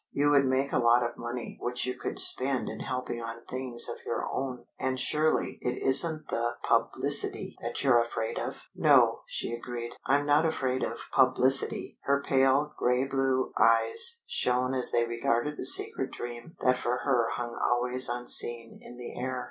You would make a lot of money, which you could spend in helping on things of your own. And surely it isn't the publicity that you're afraid of!" "No," she agreed. "I'm not afraid of publicity." Her pale grey blue eyes shone as they regarded the secret dream that for her hung always unseen in the air.